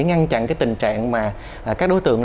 ngăn chặn cái tình trạng mà các đối tượng